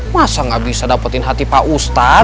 masa gak bisa dapetin hati pak ustadz